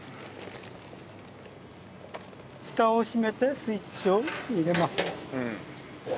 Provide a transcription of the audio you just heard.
蓋を閉めてスイッチを入れます。